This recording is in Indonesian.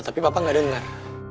tapi papa gak denger